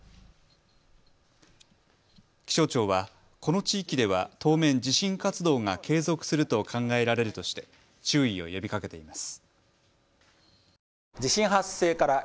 気象庁はこの地域では当面、地震活動が継続すると考えられるとして注意を呼びかけています。